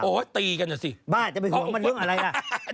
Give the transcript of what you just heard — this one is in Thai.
โอ้โฮตีกันเหรอสิบ้าจะไปห่วงมันเรื่องอะไรล่ะ